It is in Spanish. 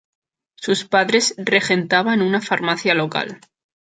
Sus padres regentaban una farmacia local.